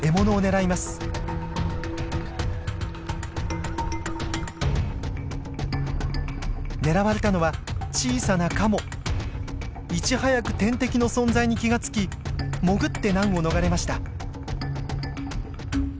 いち早く天敵の存在に気が付き潜って難を逃れました。